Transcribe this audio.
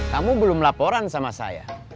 kamu belum laporan sama saya